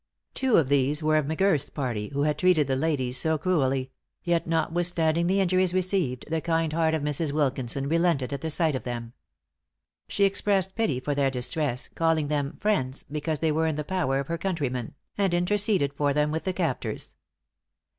Two of these were of M'Girth's party, who had treated the ladies so cruelly; yet notwithstanding the injuries received, the kind heart of Mrs. Wilkinson relented at the sight of them. She expressed pity for their distress, calling them friends, because they were in the power of her countrymen; and interceded for them with the captors.